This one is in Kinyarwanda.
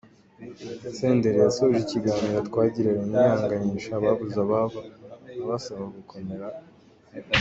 Senderi yasoje ikiganiro twagiranye yihanganisha ababuze ababo, abasaba gukomera.